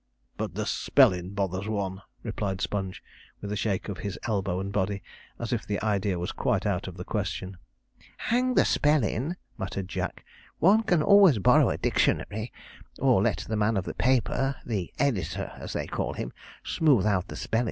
'But the spellin' bothers one,' replied Sponge, with a shake of his elbow and body, as if the idea was quite out of the question. 'Hang the spellin',' muttered Jack, 'one can always borrow a dictionary; or let the man of the paper the editor, as they call him smooth out the spellin'.